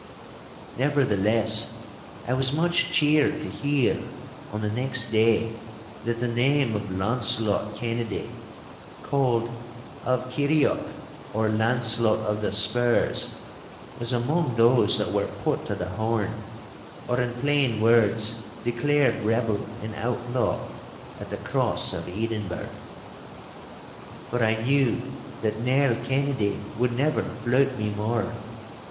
Nevertheless, I was much cheered to hear on the next day that the name of Launcelot Kennedy, called 'of Kirrieoch, or Launcelot of the Spurs,' was among those that were 'put to the horn,' or in plain words declared rebel and outlaw at the Cross of Edinburgh. For I knew that Nell Kennedy would never flout me more.